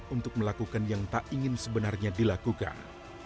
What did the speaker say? untuk melakukan yang tak ingin sebenarnya dilakukan